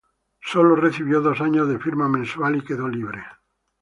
Sólo recibió dos años de firma mensual y quedó libre.